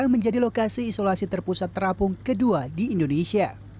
menjadi lokasi isolasi terpusat terapung kedua di indonesia